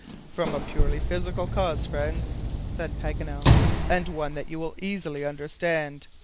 "From a purely physical cause, friends," said Paganel, "and one that you will easily understand.